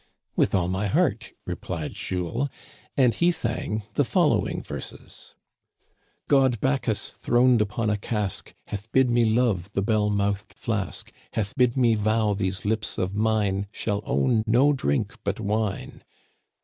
'* With all my heart," replied Jules ; and he sang the following verses :" God Bacchus, throned upon a cask. Hath bid me love the bell mouthed flask ; Hatl^ bid me vow these lips of mine Shall own no drink but wine